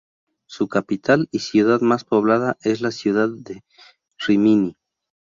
Su capital, y ciudad más poblada, es la ciudad de Rímini.